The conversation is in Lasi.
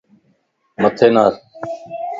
مٿي نار